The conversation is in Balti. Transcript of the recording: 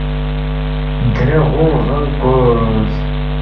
دیرے غُونگ غَنگ کوس